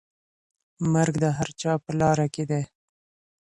مرګ د هر چا په لاره کي دی.